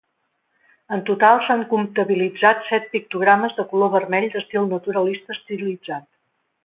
En total s'han comptabilitzat set pictogrames de color vermell d'estil naturalista-estilitzat.